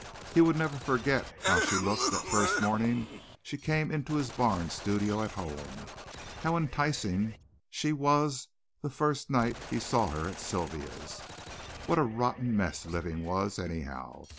He would never forget how she looked the first morning she came into his barn studio at home how enticing she was the first night he saw her at Sylvia's. What a rotten mess living was, anyhow.